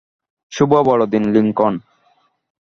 শুভ বড়দিন, লিংকন।